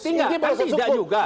ini proses cukup